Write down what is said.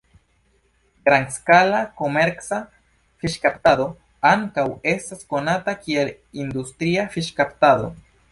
Grandskala komerca fiŝkaptado ankaŭ estas konata kiel industria fiŝkaptado.